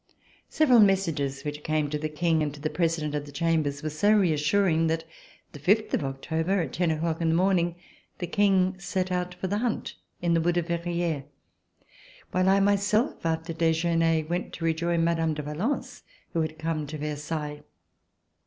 Several messages which came to the King and to the President of the Chambers were so reassuring that the fifth of October, at ten o'clock in the morning, the King set out for VERSAILLES INVADED BY THE MOB the iiunt in tlie wood of Verrieres, while I myself, after dejeuner, went to rej(jin Mine, de Valence who had come to Versailles.